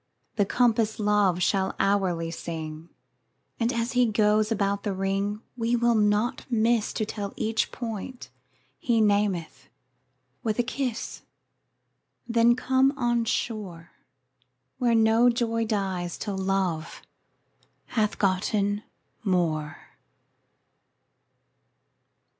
The compass Love shall hourly sing, 15 And as he goes about the ring, We will not miss To tell each point he nameth with a kiss. —Then come on shore, Where no joy dies till Love hath gotten more.